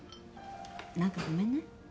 なんかごめんね。